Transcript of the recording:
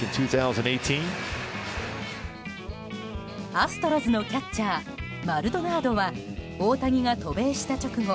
アストロズのキャッチャーマルドナードは大谷が渡米した直後